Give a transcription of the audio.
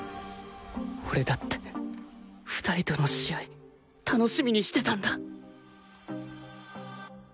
俺だって２人との試合楽しみにしてたんだ！